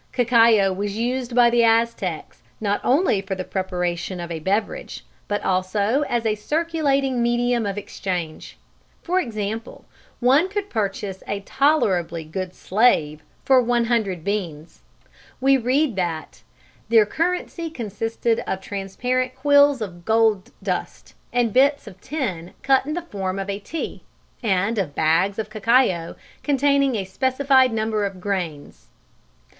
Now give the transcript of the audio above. _ Cacao was used by the Aztecs not only for the preparation of a beverage, but also as a circulating medium of exchange. For example, one could purchase a "tolerably good slave" for 100 beans. We read that: "Their currency consisted of transparent quills of gold dust, of bits of tin cut in the form of a T, and of bags of cacao containing a specified number of grains."